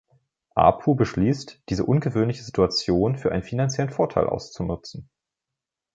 Apu beschließt, diese ungewöhnliche Situation für einen finanziellen Vorteil auszunutzen.